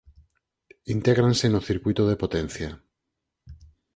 Intégranse no circuíto de potencia.